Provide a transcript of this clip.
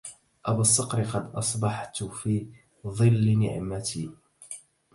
أبا الصقر قد أصبحت في ظل نعمة